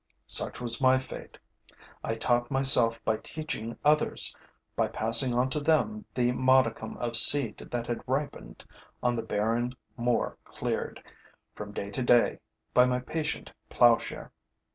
Such was my fate. I taught myself by teaching others, by passing on to them the modicum of seed that had ripened on the barren moor cleared, from day to day, by my patient plowshare.